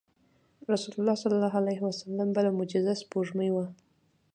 د رسول الله صلی الله علیه وسلم بله معجزه سپوږمۍ وه.